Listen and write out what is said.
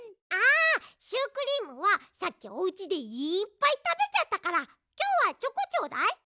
ああシュークリームはさっきおうちでいっぱいたべちゃったからきょうはチョコちょうだい。